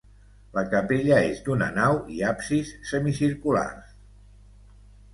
La capella és d'una nau i absis semicirculars.